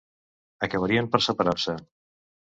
Acabarien per separar-se.